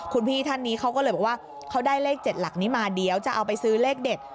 คุณพี่ท่านนี้เขาก็เลยบอกว่าเขาได้เลข๗หลักนี้มาเดี๋ยวจะเอาไปซื้อเลขเด็ด